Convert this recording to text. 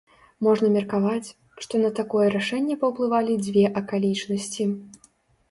Можна меркаваць, што на такое рашэнне паўплывалі дзве акалічнасці.